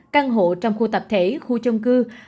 căn hộ trong khu tập thể khu chông cư